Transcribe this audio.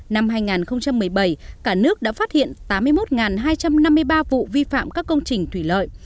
năm hai nghìn một mươi bảy cả nước đã phát hiện tám mươi một hai trăm năm mươi ba vụ vi phạm các công trình thủy lợi